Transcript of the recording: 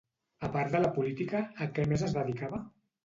A part de la política, a què més es dedicava?